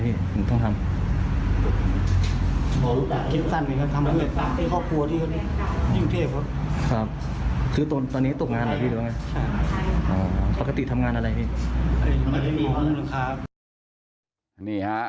เฮ้ยเอาเลย